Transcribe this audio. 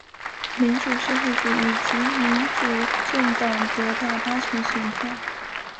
民主社会主义及民主政党得到八成选票。